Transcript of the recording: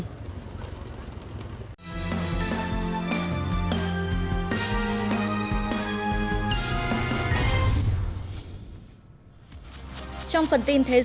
trong phần tin thế giới cuộc họp khẩn về thỏa thuận hạt nhân iran